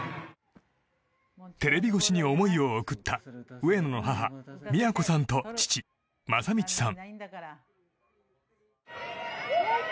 テレビ越しに思いを送った上野の母・京都さんと父・正通さん。